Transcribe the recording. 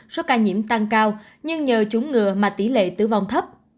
số ca nhiễm tăng cao nhưng nhờ chúng ngừa mà tỷ lệ tử vong thấp